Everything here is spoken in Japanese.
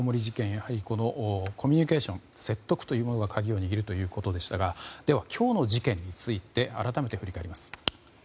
やはりコミュニケーション説得というものが鍵を握るということでしたがでは今日の事件について改めて振り返ります。